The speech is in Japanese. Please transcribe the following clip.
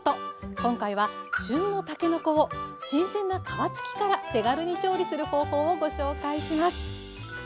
今回は旬のたけのこを新鮮な皮つきから手軽に調理する方法をご紹介します。